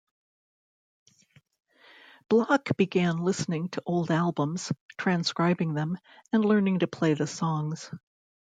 Block began listening to old albums, transcribing them, and learning to play the songs.